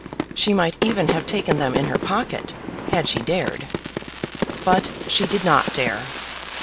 She might even have taken them in her pocket, had she dared. But she did not dare.